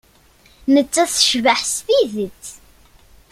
Nettat tecbeḥ s tidet.